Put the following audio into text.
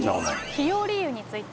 起用理由について。